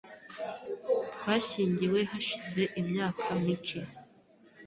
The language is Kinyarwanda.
Twashyingiwe hashize imyaka mike .